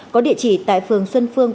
có địa chỉ tại phường xuân phương